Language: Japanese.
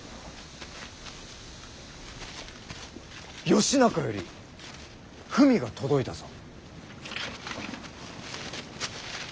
義仲より文が届いたぞ。